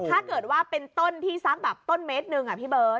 ถ้าเกิดว่าเป็นต้นที่สักแบบต้นเมตรหนึ่งพี่เบิร์ต